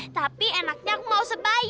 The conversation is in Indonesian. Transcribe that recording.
tapi enaknya aku mau sebaya